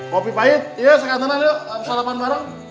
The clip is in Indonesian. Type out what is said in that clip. kopi pahit ya sekantar aja sarapan bareng